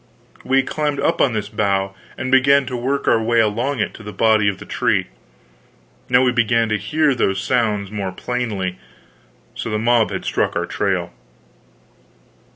We climbed up on this bough, and began to work our way along it to the body of the tree; now we began to hear those sounds more plainly; so the mob had struck our trail.